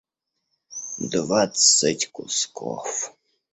двадцать кусков